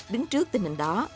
đứng trước tình hình đó